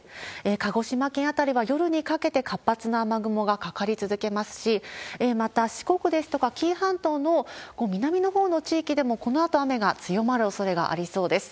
鹿児島県辺りは、夜にかけて活発な雨雲がかかり続けますし、また四国ですとか紀伊半島の南のほうの地域でも、このあと雨が強まるおそれがありそうです。